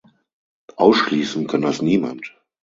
Ausschließen kann das niemand.